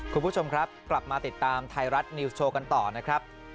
คุณผู้ชมครับกลับมาติดตามไทยรัฐนิวส์โชว์กันต่อนะครับ